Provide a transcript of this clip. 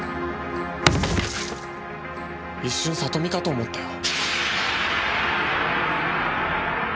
一瞬里美かと思ったよ。